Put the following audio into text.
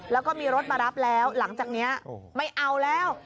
แล้วก็มีรถมารับแล้วหลังจากนี้ไม่เอาแล้ว